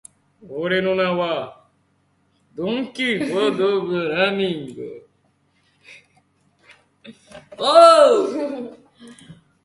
Forecasts emphasize temperature and precipitation deviations from averages.